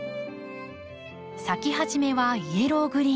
咲き始めはイエローグリーン。